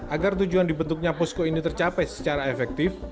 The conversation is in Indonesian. agar tujuan dibentuknya posko ini tercapai secara efektif